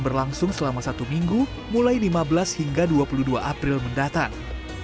berlangsung selama satu minggu mulai lima belas hingga dua puluh dua april mendatang